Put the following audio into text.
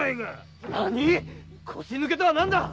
なにぃ⁉腰抜けとは何だ！